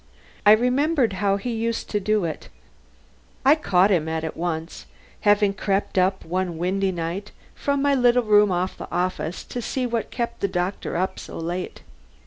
I remembered how he used to do it. I caught him at it once, having crept up one windy night from my little room off the office to see what kept the doctor up so late.